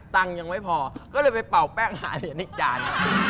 ตังค์ยังไม่พอก็เลยไปเป่าแป้งหาเหรียญอีกจาน